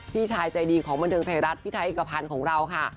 พี่ชายใจดีของบริเวณแท้รัฐพี่ไทยเอกพันครัว